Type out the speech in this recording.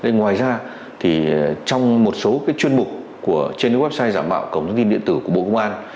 ngoài ra trong một số chuyên mục trên website giả mạo công tin điện tử của bộ công an